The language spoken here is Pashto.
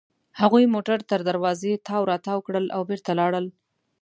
هغوی موټر تر دروازې تاو راتاو کړل او بېرته لاړل.